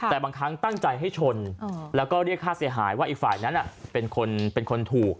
แต่บางครั้งตั้งใจให้ชนแล้วก็เรียกค่าเสียหายว่าอีกฝ่ายนั้นเป็นคนถูก